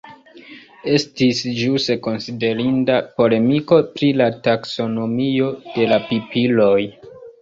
Estis ĵuse konsiderinda polemiko pri la taksonomio de la pipiloj.